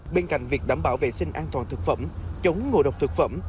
bên cạnh việc đảm bảo vệ sinh an toàn thực phẩm chống ngộ độc thực phẩm